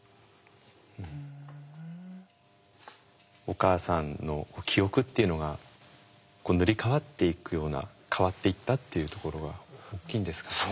お母さんの記憶っていうのが塗り変わっていくような変わっていったっていうところは大きいんですかね。